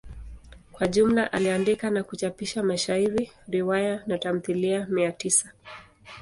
Kwa jumla aliandika na kuchapisha mashairi, riwaya na tamthilia mia tisa.